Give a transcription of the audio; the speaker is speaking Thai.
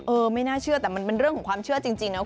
ไม่น่าเชื่อแต่มันเป็นเรื่องของความเชื่อจริงนะ